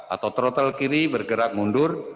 atau trotel kiri bergerak mundur